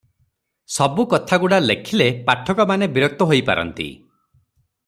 ସବୁ କଥାଗୁଡ଼ା ଲେଖିଲେ ପାଠକମାନେ ବିରକ୍ତ ହୋଇପାରନ୍ତି